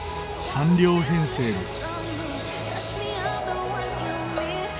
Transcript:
３両編成です。